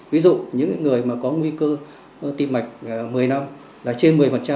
ví dụ những người mà có nguy cơ tim mạch một mươi năm là trên một mươi